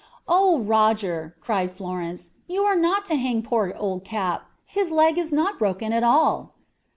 "'Oh, Roger,' cried Florence, 'you are not to hang poor old Cap; his leg is not broken at all.'